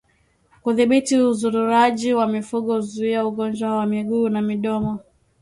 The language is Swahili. Kudhibiti uzururaji wa mifugo huzuia ugonjwa wa miguu na midomo